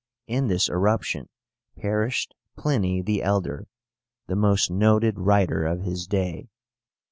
In this eruption perished PLINY THE ELDER, the most noted writer of his day.